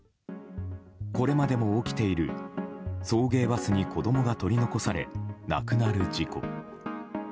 これまでも起きている送迎バスに子供が取り残され亡くなる事故。